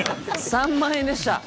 ３万円でした。